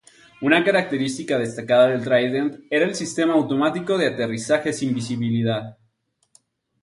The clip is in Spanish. Una característica destacada del Trident era el sistema automático de aterrizaje sin visibilidad.